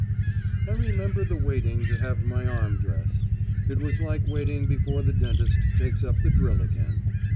I remember the waiting to have my arm dressed. It was like waiting before the dentist takes up the drill again.